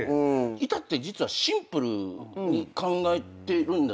至って実はシンプルに考えてるんだと思います。